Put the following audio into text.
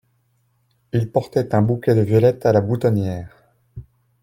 Il portait un bouquet de violettes a la boutonniere.